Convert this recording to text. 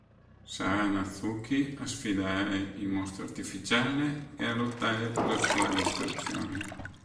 Sarà Natsuki a sfidare il mostro artificiale ed a lottare per la sua distruzione.